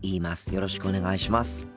よろしくお願いします。